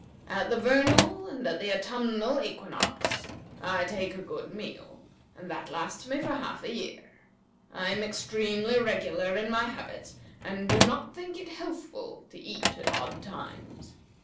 At the vernal and at the autumnal equinox I take a good meal, and that lasts me for half a year. I am extremely regular in my habits, and do not think it healthful to eat at odd times.